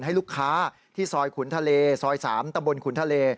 ให้ลูกค้าที่ซอยขุนทะเลซอย๓ตำบลขุนทะเล